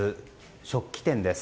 食器店です。